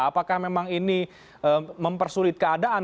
apakah memang ini mempersulit keadaan